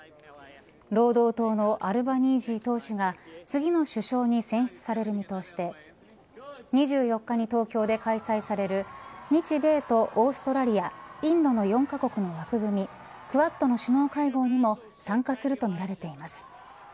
労働党のアルバニージー党首が次の首相に選出される見通しで２４日に東京で開催される日米とオーストラリアインドの４カ国の枠組みクアッドの首脳会合にも参加するとみられています。